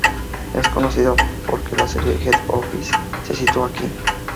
Es conocida porque la serie "The Office" se sitúa aquí.